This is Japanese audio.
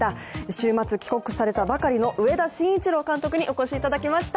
週末帰国されたばかりの上田慎一郎監督にお越しいただきました。